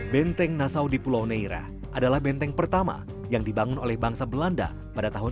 benteng nassau di pulau neira adalah benteng pertama yang dibangun oleh bangsa belanda pada tahun seribu enam ratus tujuh